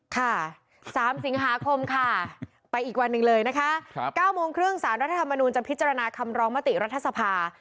ค่ะ๓สิงหาคมค่ะไปอีกวันหนึ่งเลยนะคะ๙โมงครึ่งสารรัฐธรรมนูลจะพิจารณาคำร้องมติรัฐสภา